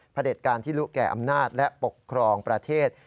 เด็จการที่รู้แก่อำนาจและปกครองประเทศ